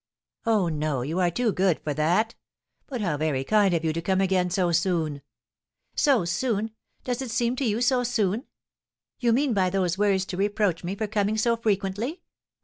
"Oh, no, you are too good for that. But how very kind of you to come again so soon!" "So soon! Does it seem to you so soon? You mean by those words to reproach me for coming so frequently.